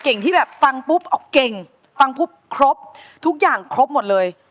ที่แบบฟังปุ๊บเอาเก่งฟังปุ๊บครบทุกอย่างครบหมดเลย